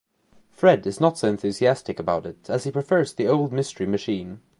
Fred is not so enthusiastic about it as he prefers the old Mystery Machine.